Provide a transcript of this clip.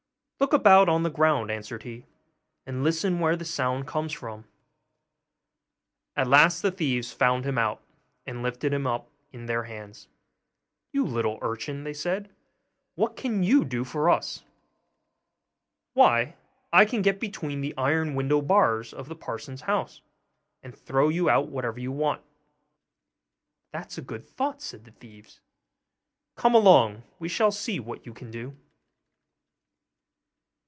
'Look about on the ground,' answered he, 'and listen where the sound comes from.' At last the thieves found him out, and lifted him up in their hands. 'You little urchin!' they said, 'what can you do for us?' 'Why, I can get between the iron window bars of the parson's house, and throw you out whatever you want.' 'That's a good thought,' said the thieves; 'come along, we shall see what you can do.